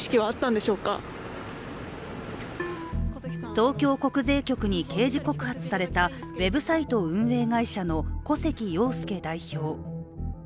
東京国税局に刑事告発されたウェブサイト運営会社の古関陽介代表。